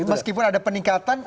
meskipun ada peningkatan